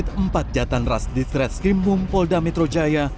anggota subdit empat jahatan ras distret skrim bumpolda metro jaya